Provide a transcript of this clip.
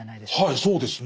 はいそうですね。